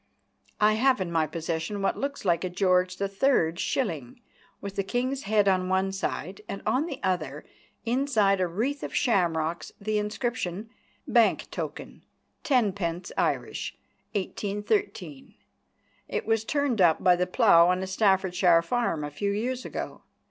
I have in my possession what looks like a George III. shilling, with the King's head on one side and, on the other, inside a wreath of shamrocks, the inscription: "Bank Token, 10 Pence Irish, 1813." It was turned up by the plough on a Staffordshire farm a few years ago.